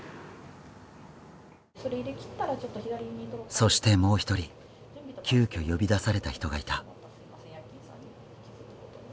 そしてもう一人急きょ呼び出された人がいた。